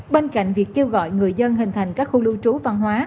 bên cạnh việc kêu gọi người dân hình thành các khu lưu trú văn hóa